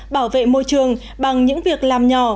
bảo vệ môi trường bằng những việc làm nhỏ